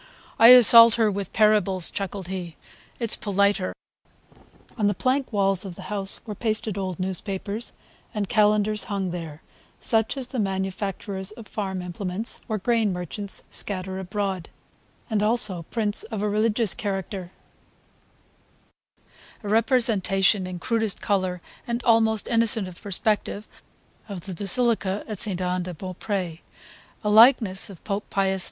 "I assault her with parables," chuckled he. "It's politer." On the plank walls of the house were pasted old newspapers, and calendars hung there such as the manufacturers of farm implements or grain merchants scatter abroad, and also prints of a religious character; a representation in crudest colour and almost innocent of perspective of the basilica at Ste. Anne de Beaupre , a likeness of Pope Pius X.